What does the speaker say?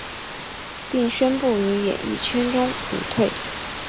并宣布于演艺圈中隐退。